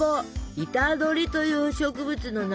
イタドリという植物の仲間！